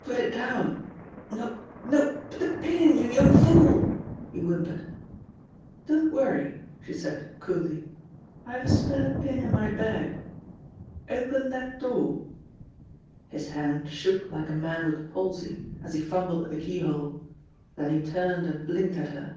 "Put it down no, no, put the pin in, you young fool!" he whimpered. "Don't worry," she said coolly. "I have a spare pin in my bag open that door!" His hand shook like a man with palsy as he fumbled at the keyhole. Then he turned and blinked at her.